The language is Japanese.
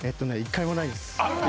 １回もないんです。